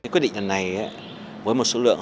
quyết định lần này với một số lượng